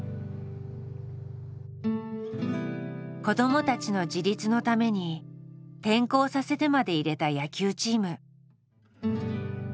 子どもたちの自立のために転校させてまで入れた野球チーム。